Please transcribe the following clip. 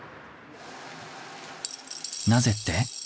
なぜって？